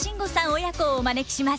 親子をお招きします。